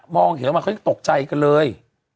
มองเห็นมาเขาตกใจกันเลย